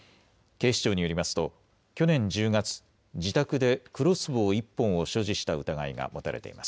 警視庁によりますと去年１０月、自宅でクロスボウ１本を所持した疑いが持たれています。